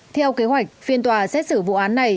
theo kế hoạch phiên tòa xét xử vụ án này